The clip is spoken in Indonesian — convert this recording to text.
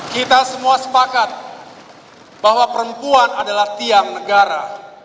kita semua sepakat bahwa perempuan adalah tiang negara